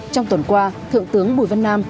trong tuần qua thượng tướng bùi văn nam